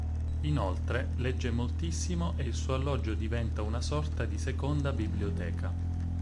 Inoltre legge moltissimo e il suo alloggio diventa una sorta di seconda biblioteca.